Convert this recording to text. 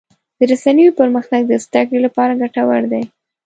د رسنیو پرمختګ د زدهکړې لپاره ګټور دی.